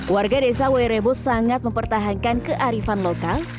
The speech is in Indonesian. warga desa werebo sangat mempertahankan kearifan lokal